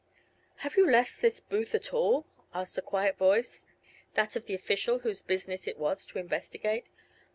"Have you left this booth at all?" asked a quiet voice, that of the official whose business it was to investigate.